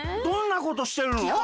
どんなことしてるの？